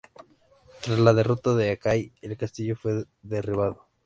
Tras la derrota de Araki, el castillo fue derribado.